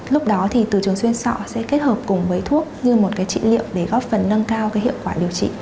lúc đó thì từ trường xuyên sọ sẽ kết hợp cùng với thuốc như một cái trị liệu để góp phần nâng cao hiệu quả điều trị